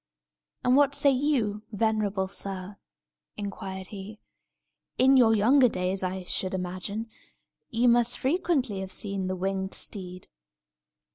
"And what say you, venerable sir?" inquired he, "In your younger days, I should imagine, you must frequently have seen the winged steed!"